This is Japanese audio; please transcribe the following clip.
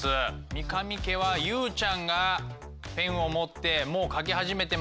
三神家は結ちゃんがペンを持ってもう書き始めてます。